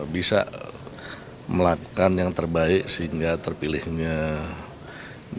bisa melakukan yang terbaik sehingga terpilihnya pak yudin